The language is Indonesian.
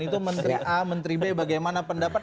itu menteri a menteri b bagaimana pendapat